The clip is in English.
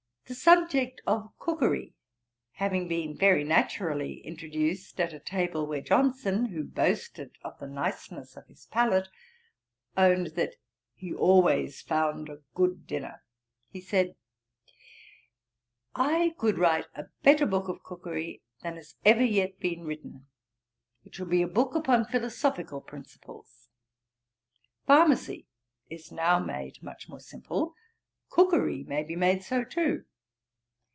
The subject of cookery having been very naturally introduced at a table where Johnson, who boasted of the niceness of his palate, owned that 'he always found a good dinner,' he said, 'I could write a better book of cookery than has ever yet been written; it should be a book upon philosophical principles. Pharmacy is now made much more simple. Cookery may be made so too.